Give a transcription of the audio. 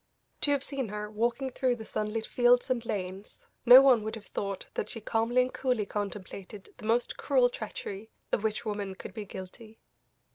To have seen her walking through the sunlit fields and lanes, no one would have thought that she calmly and coolly contemplated the most cruel treachery of which woman could be guilty.